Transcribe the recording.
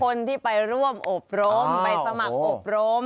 คนที่ไปร่วมอบรมไปสมัครอบรม